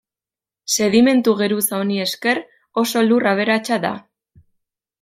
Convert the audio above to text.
Sedimentu geruza honi esker oso lur aberatsa da.